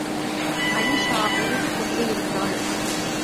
அயீஷா அழுது கொண்டிருந்தாள்.